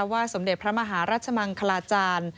สมเด็จพระมหารัชมังคลาจารย์